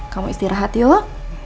kamu istirahat yuk